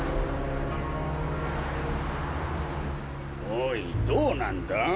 おいどうなんだ？